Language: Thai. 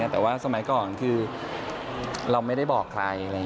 แต่ว่าสมัยก่อนคือเราไม่ได้บอกใคร